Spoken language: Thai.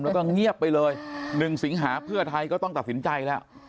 แล้วก็เงียบไปเลย๑สิงหาเพื่อไทยก็ต้องตัดสินใจแล้ว